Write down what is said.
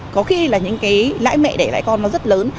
có khi là những cái lãi mẹ để lãi con nó rất lớn